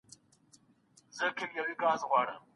دښمن مو کړي په کور کي ځالي